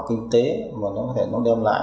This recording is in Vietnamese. kinh tế mà nó có thể đem lại